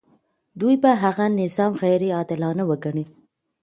دوی به هغه نظام غیر عادلانه وګڼي.